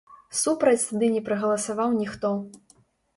Супраць тады не прагаласаваў ніхто.